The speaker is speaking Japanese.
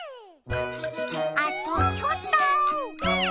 あとちょっと！